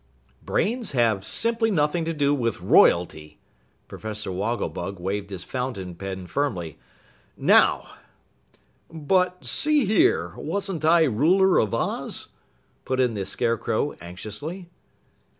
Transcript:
"Brains have simply nothing to do with royalty!" Professor Wogglebug waved his fountain pen firmly. "Now " "But see here, wasn't I ruler of Oz?" put in the Scarecrow anxiously.